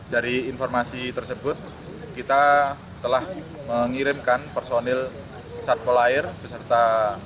dari informasi tersebut kita telah mengirimkan personil satpolair beserta